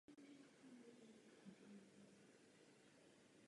Již několik soudců se stalo obětmi takového prezidentského chování.